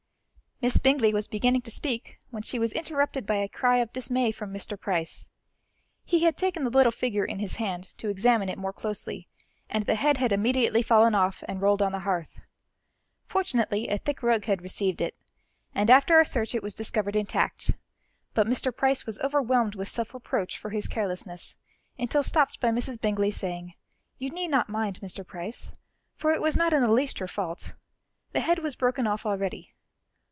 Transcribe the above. Miss Bingley was beginning to speak when she was interrupted by a cry of dismay from Mr. Price. He had taken the little figure in his hand to examine it more closely, and the head had immediately fallen off and rolled on the hearth. Fortunately a thick rug had received it, and after a search it was discovered intact; but Mr. Price was overwhelmed with self reproach for his carelessness, until stopped by Mrs. Bingley saying: "You need not mind, Mr. Price, for it was not in the least your fault. The head was broken off already.